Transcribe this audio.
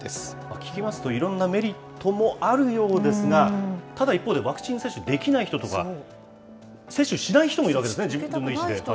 聞きますと、いろんなメリットもあるようですが、ただ一方で、ワクチン接種ができない人とか、接種しない人もいるわけですね、自分の意思で。